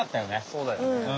そうだよね。